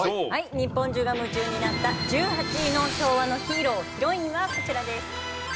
日本中が夢中になった１８位の昭和のヒーロー＆ヒロインはこちらです。